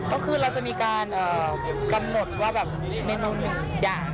ก็คือเราจะมีการกำหนดว่าแบบแน่นอนหนึ่งอย่าง